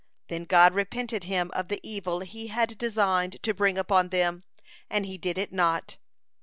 Then God repented Him of the evil He had designed to bring upon them, and He did it not.